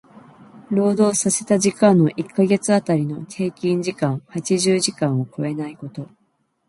労働させた時間の一箇月当たりの平均時間八十時間を超えないこと。